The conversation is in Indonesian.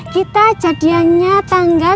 kita jadiannya tanggal satu dua tiga